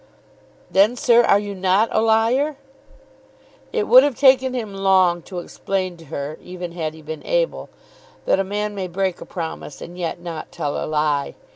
"Then, sir, are you not a liar?" It would have taken him long to explain to her, even had he been able, that a man may break a promise and yet not tell a lie.